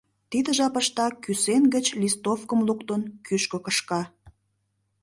Тиде жапыштак, кӱсен гыч листовкым луктын, кӱшкӧ кышка.